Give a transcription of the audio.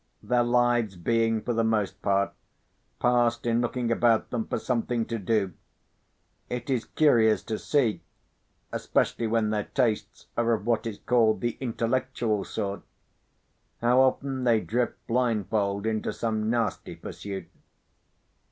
Their lives being, for the most part, passed in looking about them for something to do, it is curious to see—especially when their tastes are of what is called the intellectual sort—how often they drift blindfold into some nasty pursuit.